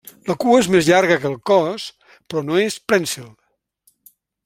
La cua és més llarga que el cos però no és prènsil.